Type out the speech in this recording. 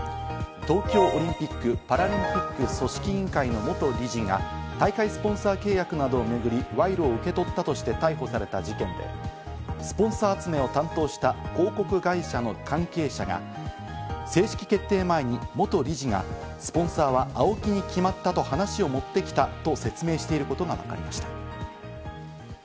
東京オリンピック・パラリンピック組織委員会の元理事が、大会スポンサー契約などをめぐり、賄賂を受け取ったとして逮捕された事件で、スポンサー集めを担当した広告会社の関係者が正式決定前に元理事が、スポンサーはＡＯＫＩに決まったと話を持ってきたと説明していることがわかりました。